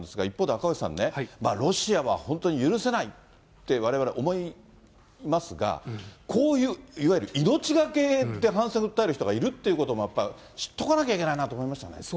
一方で赤星さんね、ロシアは本当に許さないってわれわれ、思いますが、こういう、いわゆる命懸けで反戦を訴える人がいるっていうこともやっぱり、知っとかなきゃいけないなと思いましたね。